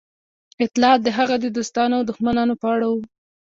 اطلاعات د هغه د دوستانو او دښمنانو په اړه وو